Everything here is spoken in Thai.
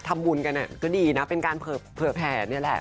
ทำบุญกันก็ดีนะเป็นการเผื่อแผ่นี่แหละ